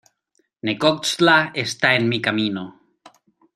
Necoxtla está en mi camino.